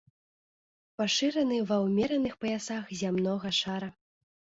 Пашыраны ва ўмераных паясах зямнога шара.